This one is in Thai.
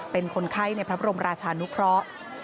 เป็นคนไข้ในพระบรมราชานุเคราะห์